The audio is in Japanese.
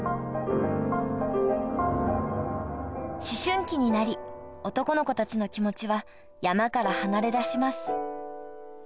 思春期になり男の子たちの気持ちは山から離れだします